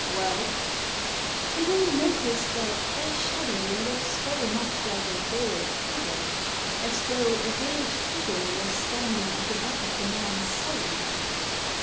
Well ?"" You will notice that that shadow looks very much like a veiled figfure — as though a veiled figure was standing at the back of the man Solly."